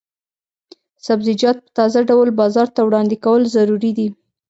سبزیجات په تازه ډول بازار ته وړاندې کول ضروري دي.